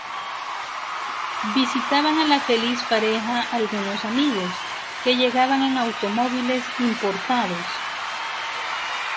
Visitaban a la feliz pareja algunos amigos, que llegaban en automóviles importados.